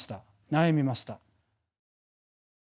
悩みました。